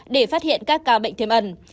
để phát hiện các ca bệnh thêm ẩn